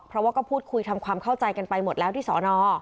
เพราะว่าก็พูดคุยทำความเข้าใจกันไปหมดแล้วที่สอนอ